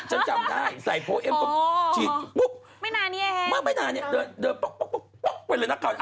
จำได้ทำกับโรงเพลง